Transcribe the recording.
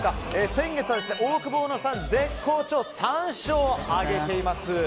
先月はオオクボーノさん絶好調３勝挙げています。